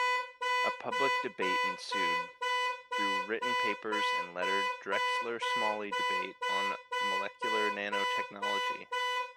A public debate ensued through written papers and letters Drexler-Smalley debate on molecular nanotechnology.